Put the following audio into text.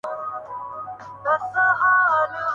یہ زمرد بھی حریف دم افعی نہ ہوا